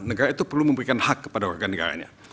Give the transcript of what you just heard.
negara itu perlu memberikan hak kepada warga negaranya